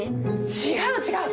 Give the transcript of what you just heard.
違う違う。